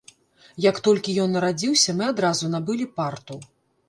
Як толькі ён нарадзіўся, мы адразу набылі парту.